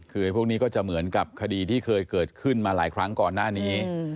คือพวกนี้ก็จะเหมือนกับคดีที่เคยเกิดขึ้นมาหลายครั้งก่อนหน้านี้